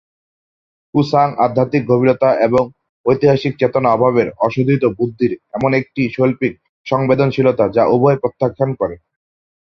কু সাঙ আধ্যাত্মিক গভীরতা এবং ঐতিহাসিক চেতনা অভাবের অশোধিত বুদ্ধির এমন একটি শৈল্পিক সংবেদনশীলতা যা উভয়ই প্রত্যাখ্যান করে।